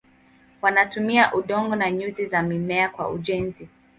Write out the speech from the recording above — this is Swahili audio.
Wanatumia udongo na nyuzi za mimea kwa ujenzi.